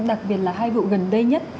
đặc biệt là hai vụ gần đây nhất